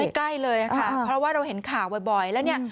ใกล้เลยค่ะเพราะว่าเราเห็นข่าวบ่อยแล้วเนี่ย